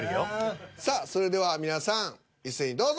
さあそれでは皆さん一斉にどうぞ。